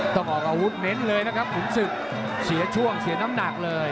ต้องออกอาวุธเน้นเลยนะครับขุนศึกเสียช่วงเสียน้ำหนักเลย